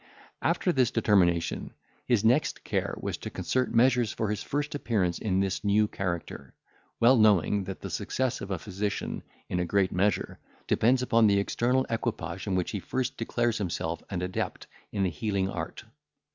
After this determination, his next care was to concert measures for his first appearance in this new character; well knowing, that the success of a physician, in a great measure, depends upon the external equipage in which he first declares himself an adept in the healing art.